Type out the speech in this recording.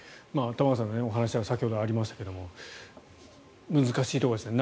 玉川さんのお話が先ほどありましたが難しいところですね。